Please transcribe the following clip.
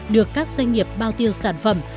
được các doanh nghiệp bao tiêu sản phẩm